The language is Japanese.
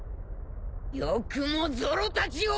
よくもゾロたちを！